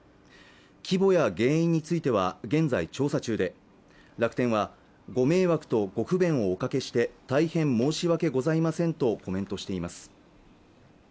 規模や原因については現在調査中で楽天はご迷惑とご不便をおかけして大変申し訳ございませんとコメントしています